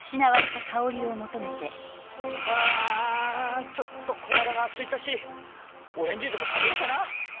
あちょっと小腹がすいたしオレンジでも食べようかな。